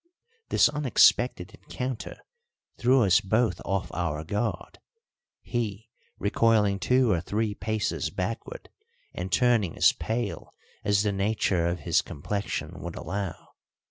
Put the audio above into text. This unexpected encounter threw us both off our guard, he recoiling two or three paces backwardand turning as pale as the nature of his complexion would allow.